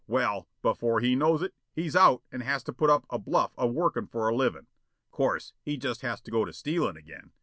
Well, before he knows it, he's out and has to put up a bluff of workin' for a livin'. Course, he just has to go to stealin' again.